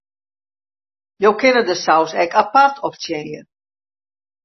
Jo kinne de saus ek apart optsjinje.